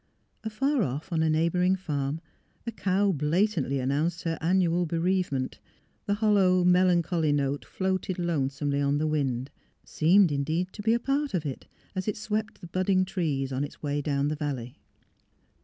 Afar off on a neighbouring farm a cow blatantly announced her annual bereavement. The hollow, melancholy note floated lonesomely on the wind — seemed, indeed, to be a part of it, as it swept the budding trees, on its way down the valley.